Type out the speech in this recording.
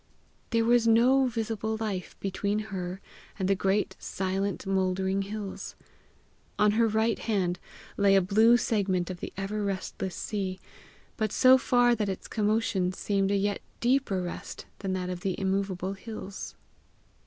There was no visible life between her and the great silent mouldering hills. On her right hand lay a blue segment of the ever restless sea, but so far that its commotion seemed a yet deeper rest than that of the immovable hills.